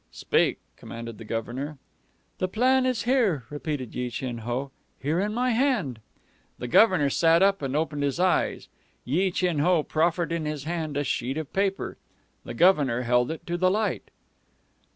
"Speak," commanded the Governor. "The plan is here," repeated Yi Chin Ho, "here in my hand." The Governor sat up and opened his eyes, Yi Chin Ho proffered in his hand a sheet of paper. The Governor held it to the light.